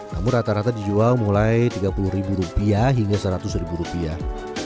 namun rata rata dijual mulai tiga puluh ribu rupiah hingga seratus ribu rupiah